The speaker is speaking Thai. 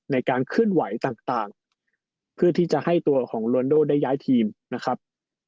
ในการเคลื่อนไหวต่างเพื่อที่จะให้ตัวของโรนโดได้ย้ายทีมนะครับ